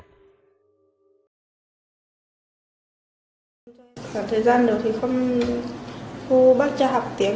trong thời gian đầu thì không thu bắt cho học tiếng